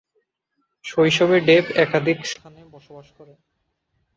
শৈশবে ডেপ একাধিক স্থানে বসবাস করেন।